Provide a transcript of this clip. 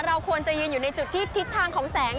เราควรจะยืนอยู่ในจุดที่ทิศทางของแสง